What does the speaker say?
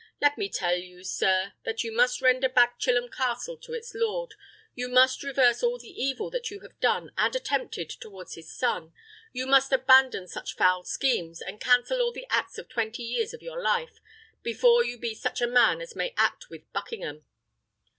Let me tell you, sir, that you must render back Chilham Castle to its lord; you must reverse all the evil that you have done and attempted towards his son; you must abandon such foul schemes, and cancel all the acts of twenty years of your life, before you be such a man as may act with Buckingham."